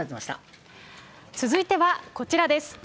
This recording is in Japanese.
続いてはこちらです。